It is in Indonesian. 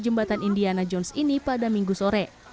jembatan indiana jones ini pada minggu sore